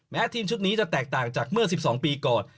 ทีมชุดนี้จะแตกต่างจากเมื่อ๑๒ปีก่อน